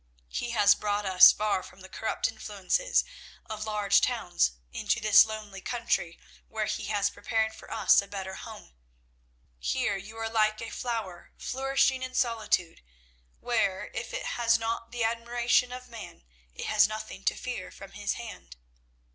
He has brought us far from the corrupt influences of large towns into this lonely country where He has prepared for us a better home. Here you are like a flower flourishing in solitude, where, if it has not the admiration of man, it has nothing to fear from his hand.